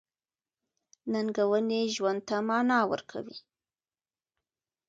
• ننګونې ژوند ته مانا ورکوي.